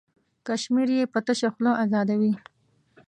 کشمیر یې په تشه خوله ازادوي.